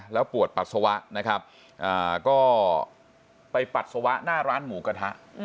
แล้วปวดปัสสาวะนะครับก็ไปปัสสาวะหน้าร้านหมูกระทะ